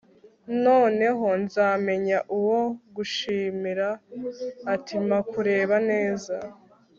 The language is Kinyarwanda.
Noneho nzamenya uwo gushimira ati mpa kureba neza